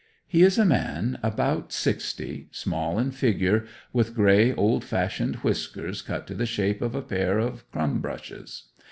He is a man about sixty, small in figure, with grey old fashioned whiskers cut to the shape of a pair of crumb brushes.